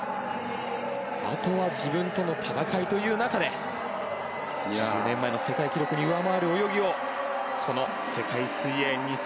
あとは自分との戦いという中で１０年前の世界記録を上回る泳ぎをこの世界水泳２０２２